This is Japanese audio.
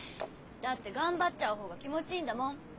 だって頑張っちゃう方が気持ちいいんだもん！